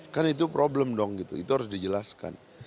kan itu problem dong gitu itu harus dijelaskan